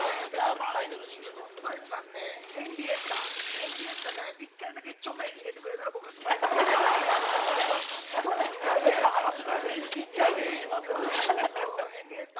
スパイクさんね、ヘンリエッタ、ヘンリエッタが、一回だけチョメ入れてくれたら、僕、スパイクに入れてました。